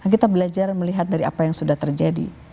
kita belajar melihat dari apa yang sudah terjadi